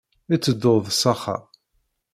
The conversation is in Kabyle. Iteddu-d s axxam.